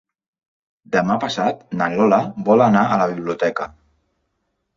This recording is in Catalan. Demà passat na Lola vol anar a la biblioteca.